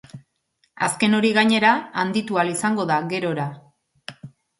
Azken hori, gainera, handitu ahal izango da, gerora.